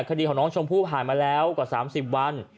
คดีของน้องชมพู่ผ่านมาแล้วกว่า๓๐วัน